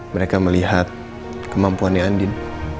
mereka melihat kemampuannya andin